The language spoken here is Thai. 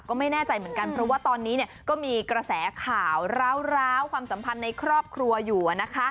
ก็ไม่แน่ใจเหมือนกันเพราะว่าตอนนี้ก็มีกระแสข่าวร้าวความสัมพันธ์ในครอบครัวอยู่